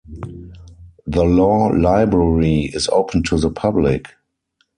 The Law Library is open to the public.